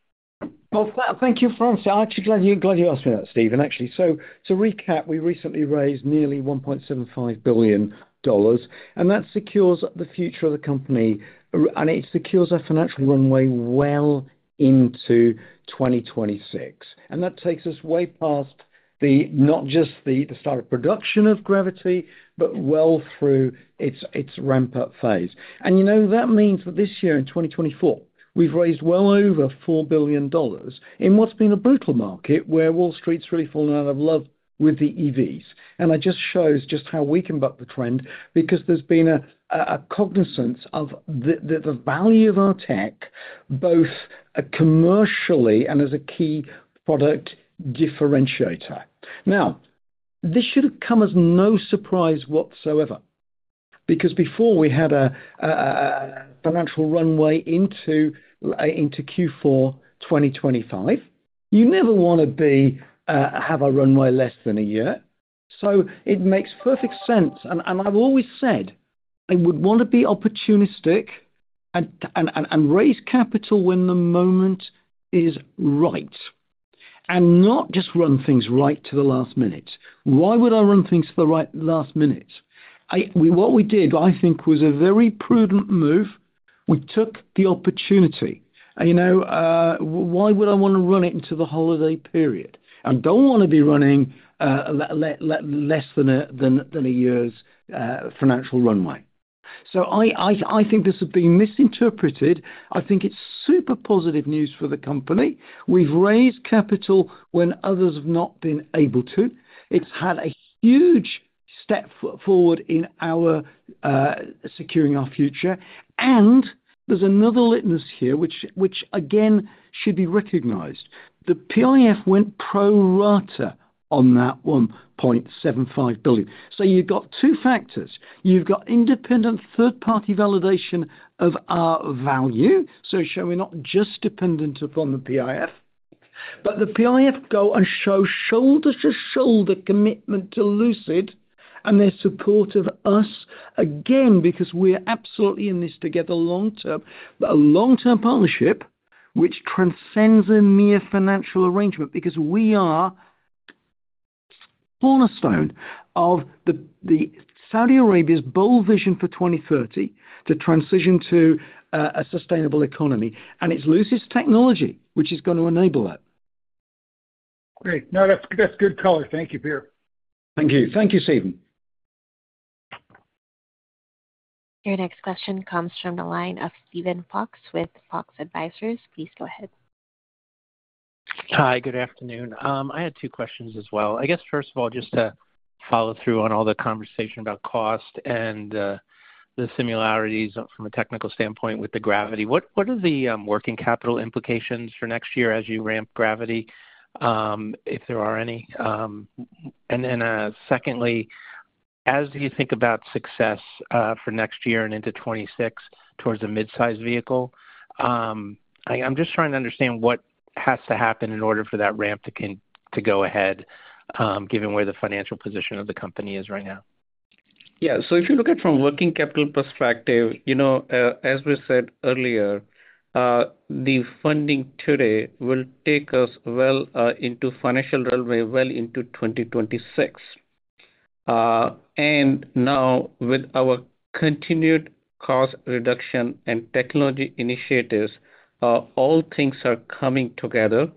Speaker 1: Thank you for asking. Glad you asked me that, Steven, actually. To recap, we recently raised nearly $1.75 billion. That secures the future of the company. It secures our financial runway well into 2026. That takes us way past not just the start of production of Gravity, but well through its ramp-up phase. That means that this year in 2024, we've raised well over $4 billion in what's been a brutal market where Wall Street's really fallen out of love with the EVs. I just showed just how we can buck the trend because there's been a cognizance of the value of our tech, both commercially and as a key product differentiator. Now, this should have come as no surprise whatsoever because before we had a financial runway into Q4 2025, you never want to have a runway less than a year. So it makes perfect sense. And I've always said I would want to be opportunistic and raise capital when the moment is right and not just run things right to the last minute. Why would I run things to the last minute? What we did, I think, was a very prudent move. We took the opportunity. Why would I want to run it into the holiday period? I don't want to be running less than a year's financial runway. So I think this has been misinterpreted. I think it's super positive news for the company. We've raised capital when others have not been able to. It's had a huge step forward in our securing our future. And there's another litmus here, which, again, should be recognized. The PIF went pro-rata on that $1.75 billion. So you've got two factors. You've got independent third-party validation of our value. So to show we're not just dependent upon the PIF. But the PIF goes and shows shoulder-to-shoulder commitment to Lucid. And they're supportive of us, again, because we're absolutely in this together long-term. But a long-term partnership which transcends a mere financial arrangement because we are the cornerstone of Saudi Arabia's bold vision for 2030 to transition to a sustainable economy. And it's Lucid's technology which is going to enable that.
Speaker 7: Great. No, that's good color. Thank you, Peter.
Speaker 1: Thank you. Thank you, Steven.
Speaker 4: Your next question comes from the line of Steven Fox with Fox Advisors. Please go ahead.
Speaker 8: Hi, good afternoon. I had two questions as well. I guess, first of all, just to follow through on all the conversation about cost and the similarities from a technical standpoint with the Gravity. What are the working capital implications for next year as you ramp Gravity, if there are any? And secondly, as you think about success for next year and into 2026 towards a midsize vehicle, I'm just trying to understand what has to happen in order for that ramp to go ahead, given where the financial position of the company is right now.
Speaker 3: Yeah. So if you look at it from a working capital perspective, as we said earlier, the funding today will take us well into financial runway, well into 2026. And now, with our continued cost reduction and technology initiatives, all things are coming together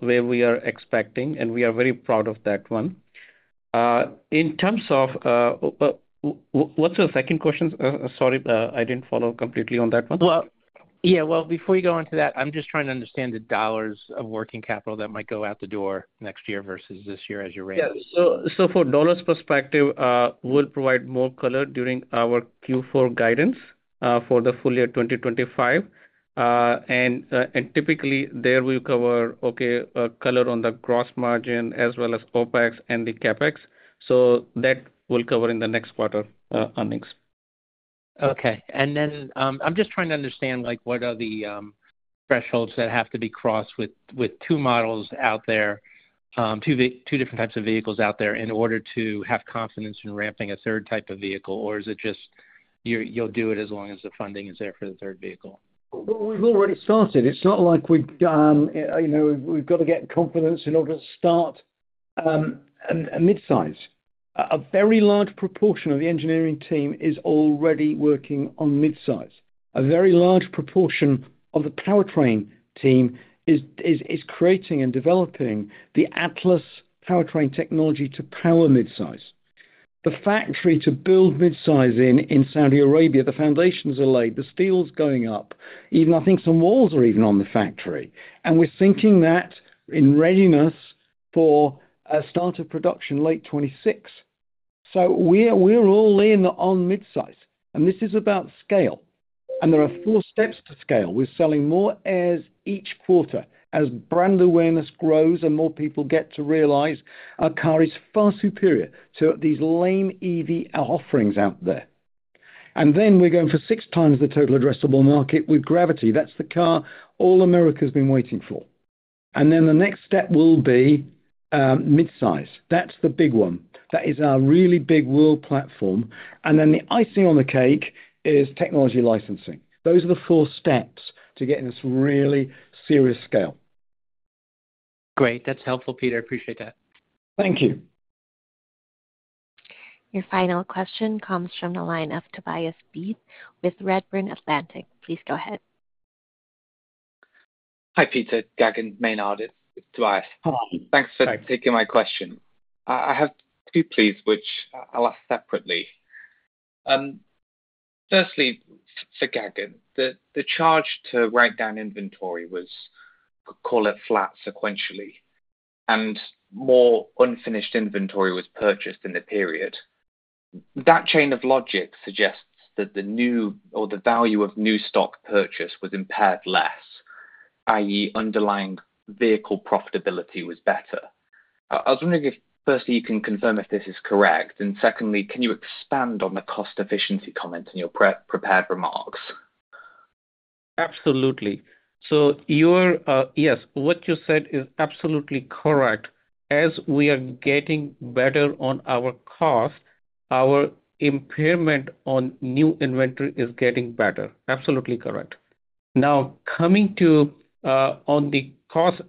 Speaker 3: where we are expecting, and we are very proud of that one. In terms of what's the second question? Sorry, I didn't follow completely on that one.
Speaker 8: Before you go into that, I'm just trying to understand the dollars of working capital that might go out the door next year versus this year as you raise.
Speaker 3: Yeah, so for dollar perspective, we'll provide more color during our Q4 guidance for the full year 2025, and typically there we cover color on the gross margin as well as OpEx and the CapEx, so that we'll cover in the next quarter earnings.
Speaker 8: Okay. And then I'm just trying to understand what are the thresholds that have to be crossed with two models out there, two different types of vehicles out there in order to have confidence in ramping a third type of vehicle? Or is it just you'll do it as long as the funding is there for the third vehicle?
Speaker 1: We've already started. It's not like we've got to get confidence in order to start a midsize. A very large proportion of the engineering team is already working on midsize. A very large proportion of the powertrain team is creating and developing the Atlas powertrain technology to power midsize. The factory to build midsize in Saudi Arabia, the foundations are laid, the steel's going up. Even I think some walls are on the factory. We're syncing that in readiness for start of production late 2026. We're all in on midsize. This is about scale. There are four steps to scale. We're selling more Airs each quarter as brand awareness grows and more people get to realize our car is far superior to these lame EV offerings out there. We're going for six times the total addressable market with Gravity. That's the car all America has been waiting for. And then the next step will be midsize. That's the big one. That is our really big world platform. And then the icing on the cake is technology licensing. Those are the four steps to getting this really serious scale.
Speaker 8: Great. That's helpful, Peter. I appreciate that.
Speaker 1: Thank you.
Speaker 4: Your final question comes from the line of Tobias Björck with Redburn Atlantic. Please go ahead.
Speaker 9: Hi, Peter, Gagan. Maynard. It's Tobias. Thanks for taking my question. I have two pleas, which I'll ask separately. Firstly, for Gagan, the charge to write down inventory was, call it flat sequentially, and more unfinished inventory was purchased in the period. That chain of logic suggests that the value of new stock purchase was impaired less, i.e., underlying vehicle profitability was better. I was wondering if, firstly, you can confirm if this is correct. And secondly, can you expand on the cost efficiency comment in your prepared remarks?
Speaker 3: Absolutely. So yes, what you said is absolutely correct. As we are getting better on our cost, our impairment on new inventory is getting better. Absolutely correct. Now, coming to on the cost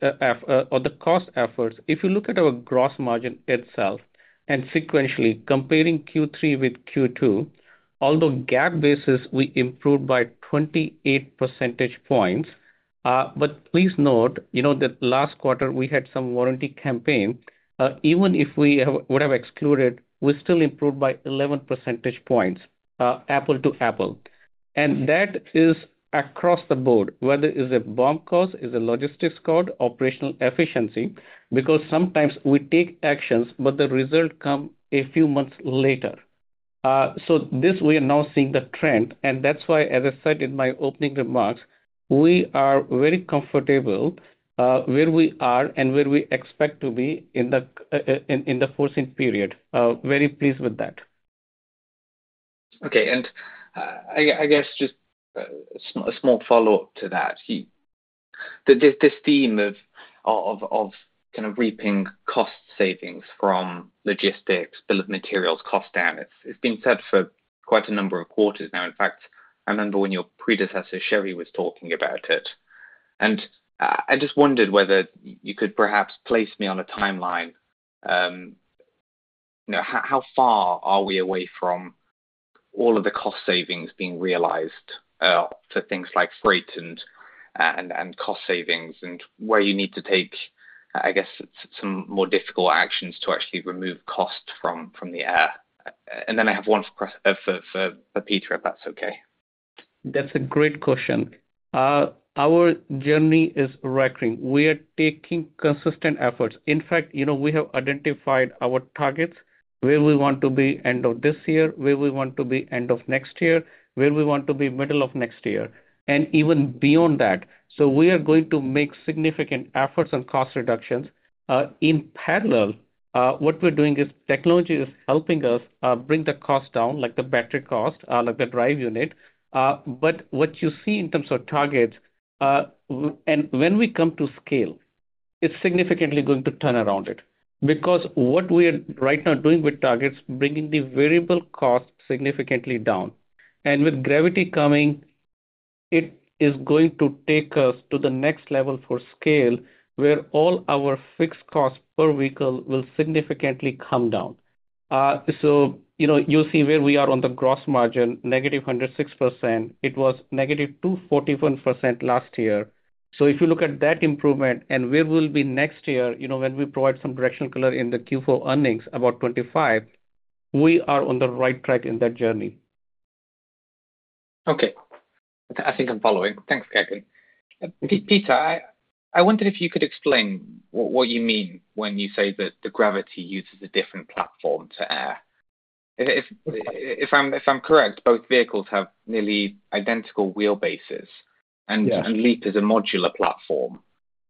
Speaker 3: efforts, if you look at our gross margin itself and sequentially comparing Q3 with Q2, although GAAP basis, we improved by 28 percentage points. But please note that last quarter, we had some warranty campaign. Even if we would have excluded, we still improved by 11 percentage points apples to apples. And that is across the board, whether it's a BOM cost, it's a logistics cost, operational efficiency, because sometimes we take actions, but the result comes a few months later. So this we are now seeing the trend. And that's why, as I said in my opening remarks, we are very comfortable where we are and where we expect to be in the foreseeable future. Very pleased with that.
Speaker 9: Okay. And I guess just a small follow-up to that. This theme of kind of reaping cost savings from logistics, bill of materials, cost down, it's been said for quite a number of quarters now. In fact, I remember when your predecessor, Sherry, was talking about it. And I just wondered whether you could perhaps place me on a timeline. How far are we away from all of the cost savings being realized for things like freight and cost savings and where you need to take, I guess, some more difficult actions to actually remove cost from the Air? And then I have one for Peter, if that's okay.
Speaker 3: That's a great question. Our journey is accelerating. We are taking consistent efforts. In fact, we have identified our targets where we want to be end of this year, where we want to be end of next year, where we want to be middle of next year, and even beyond that, so we are going to make significant efforts on cost reductions. In parallel, what we're doing is technology is helping us bring the cost down, like the battery cost, like the drive unit, but what you see in terms of targets, and when we come to scale, it's significantly going to turn it around because what we are right now doing with targets, bringing the variable cost significantly down, and with Gravity coming, it is going to take us to the next level for scale where all our fixed costs per vehicle will significantly come down. You'll see where we are on the gross margin, negative 106%. It was negative 241% last year. If you look at that improvement and where we'll be next year when we provide some directional color in the Q4 earnings, about 25%, we are on the right track in that journey.
Speaker 9: Okay. I think I'm following. Thanks, Gagan. Peter, I wondered if you could explain what you mean when you say that the Gravity uses a different platform to Air. If I'm correct, both vehicles have nearly identical wheelbases and LEAP is a modular platform,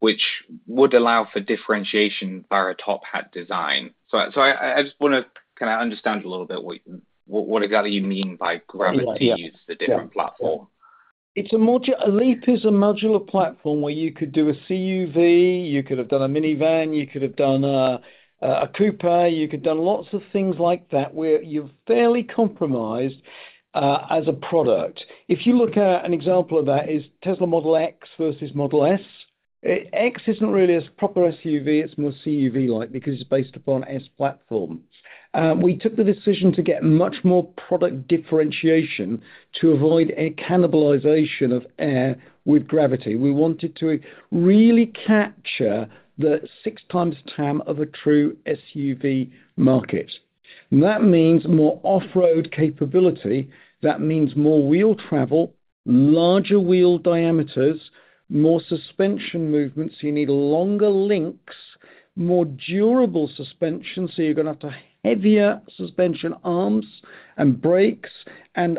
Speaker 9: which would allow for differentiation via a top hat design. So I just want to kind of understand a little bit what exactly you mean by Gravity uses a different platform.
Speaker 1: It's a modular LEAP, is a modular platform where you could do a CUV, you could have done a minivan, you could have done a coupe, you could have done lots of things like that where you're fairly compromised as a product. If you look at an example of that is Tesla Model X versus Model S. X isn't really a proper SUV. It's more CUV-like because it's based upon S platform. We took the decision to get much more product differentiation to avoid a cannibalization of Air with Gravity. We wanted to really capture the six times TAM of a true SUV market. That means more off-road capability. That means more wheel travel, larger wheel diameters, more suspension movements. You need longer links, more durable suspension. So you're going to have to have heavier suspension arms and brakes and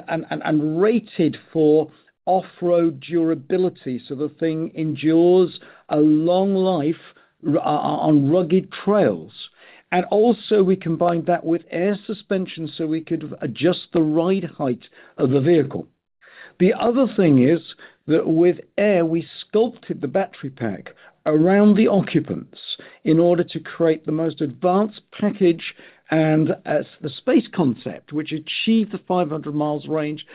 Speaker 1: rated for off-road durability so the thing endures a long life on rugged trails. And also, we combined that with air suspension so we could adjust the ride height of the vehicle. The other thing is that with air, we sculpted the battery pack around the occupants in order to create the most advanced package and the space concept, which achieved the 500 miles range,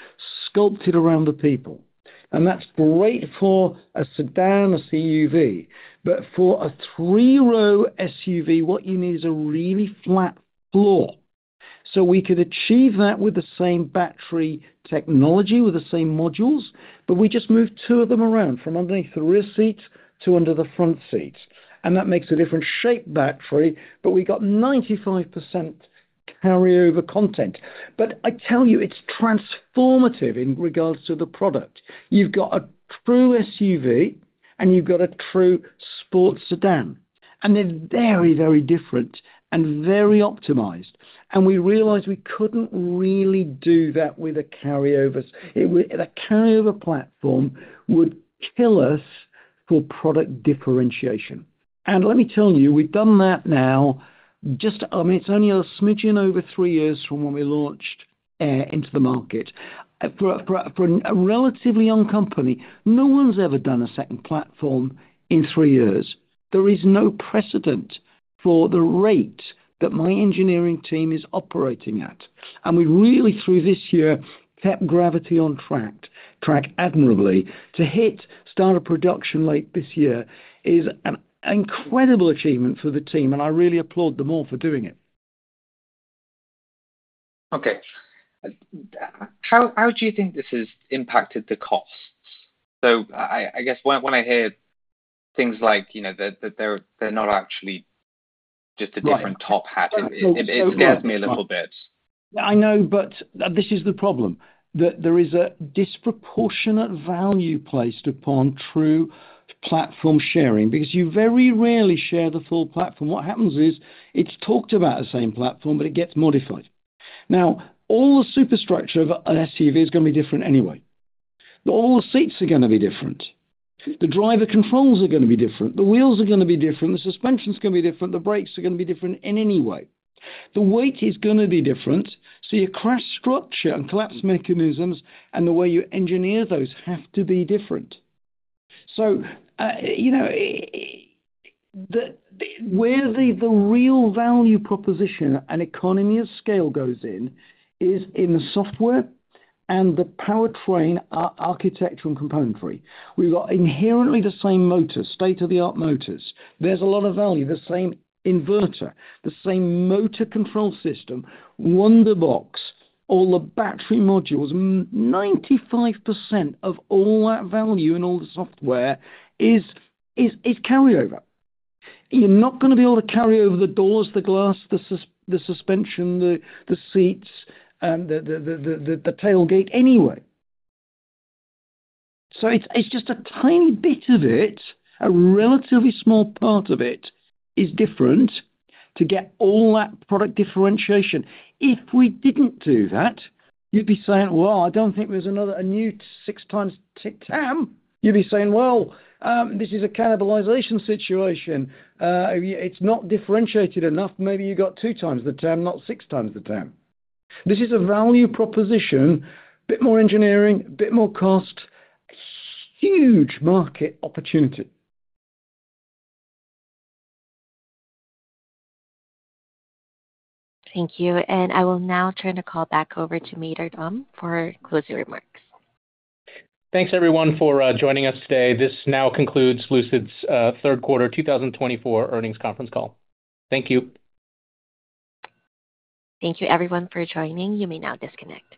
Speaker 1: sculpted around the people. And that's great for a sedan, a CUV. But for a three-row SUV, what you need is a really flat floor. So we could achieve that with the same battery technology, with the same modules, but we just moved two of them around from underneath the rear seat to under the front seat. And that makes a different shape battery, but we got 95% carryover content. But I tell you, it's transformative in regards to the product. You've got a true SUV, and you've got a true sports sedan. And they're very, very different and very optimized. And we realized we couldn't really do that with a carryover. A carryover platform would kill us for product differentiation. And let me tell you, we've done that now. I mean, it's only a smidgen over three years from when we launched Air into the market. For a relatively young company, no one's ever done a second platform in three years. There is no precedent for the rate that my engineering team is operating at. And we really, through this year, kept Gravity on track admirably to hit start of production late this year, is an incredible achievement for the team. And I really applaud them all for doing it.
Speaker 9: Okay. How do you think this has impacted the costs? So I guess when I hear things like that they're not actually just a different top hat, it scares me a little bit.
Speaker 1: I know, but this is the problem. There is a disproportionate value placed upon true platform sharing because you very rarely share the full platform. What happens is it's talked about the same platform, but it gets modified. Now, all the superstructure of an SUV is going to be different anyway. All the seats are going to be different. The driver controls are going to be different. The wheels are going to be different. The suspension is going to be different. The brakes are going to be different in any way. The weight is going to be different. So your crash structure and collapse mechanisms and the way you engineer those have to be different. So where the real value proposition and economy of scale goes in is in the software and the powertrain architecture and componentry. We've got inherently the same motors, state-of-the-art motors. There's a lot of value. The same inverter, the same motor control system, Wunderbox, all the battery modules. 95% of all that value in all the software is carryover. You're not going to be able to carry over the doors, the glass, the suspension, the seats, the tailgate anyway. So it's just a tiny bit of it, a relatively small part of it is different to get all that product differentiation. If we didn't do that, you'd be saying, "Well, I don't think there's a new six times TAM." You'd be saying, "Well, this is a cannibalization situation. It's not differentiated enough. Maybe you got two times the TAM, not six times the TAM." This is a value proposition, a bit more engineering, a bit more cost, a huge market opportunity.
Speaker 4: Thank you. And I will now turn the call back over to Maynard for closing remarks.
Speaker 2: Thanks, everyone, for joining us today. This now concludes Lucid's third quarter 2024 earnings conference call. Thank you.
Speaker 4: Thank you, everyone, for joining. You may now disconnect.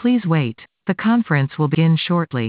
Speaker 4: Please wait. The conference will begin shortly.